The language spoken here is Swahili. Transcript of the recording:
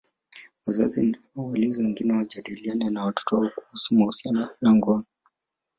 Wazazi au walezi wengine wajadiliane na watoto wao kuhusu mahusiano na ngono